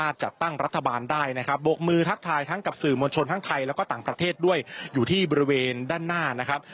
ทั้งไทยแล้วก็ต่างประเทศด้วยอยู่ที่บริเวณด้านหน้านะครับ